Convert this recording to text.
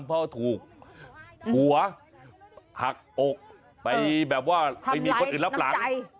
เพราะว่าถูกหักอกไปแบบว่าไม่มีคนอื่นรับหลัก